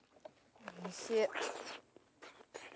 おいしい。